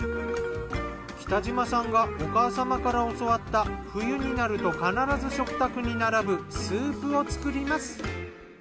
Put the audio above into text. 北嶋さんがお母様から教わった冬になると必ず食卓に並ぶスープを作ります。